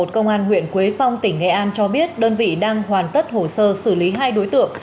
công an huyện quế phong tỉnh nghệ an cho biết đơn vị đang hoàn tất hồ sơ xử lý hai đối tượng